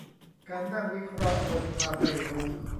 การนั่งวิเคราะห์บนความไม่รู้